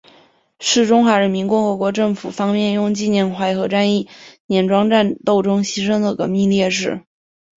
是中华人民共和国政府方面用以纪念淮海战役碾庄战斗中牺牲的革命烈士。